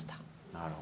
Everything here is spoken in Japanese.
なるほど。